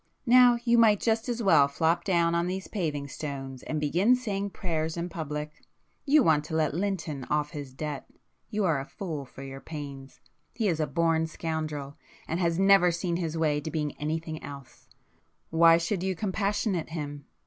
Now you might just as well flop down on these paving stones and begin saying prayers in public. You want to let Lynton off his debt,—you are a fool for your pains. He is a born scoundrel,—and has never seen his way to being anything else,—why should you compassionate him?